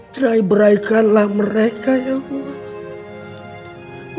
jeraibraikanlah mereka ya allah